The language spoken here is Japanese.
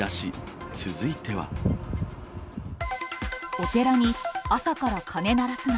お寺に、朝から鐘鳴らすな。